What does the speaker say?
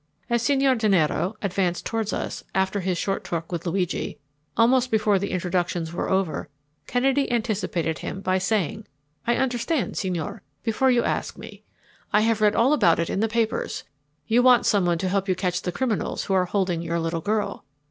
As Signor Gennaro advanced toward us, after his short talk with Luigi, almost before the introductions were over, Kennedy anticipated him by saying: "I understand, Signor, before you ask me. I have read all about it in the papers. You want someone to help you catch the criminals who are holding your little girl."